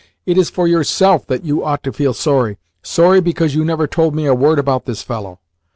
"It is for YOURSELF that you ought to feel sorry sorry because you never told me a word about this fellow.